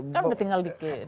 kan ketinggal di kin